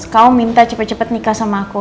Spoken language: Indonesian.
kau minta cepet cepet nikah sama aku